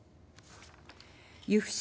由布市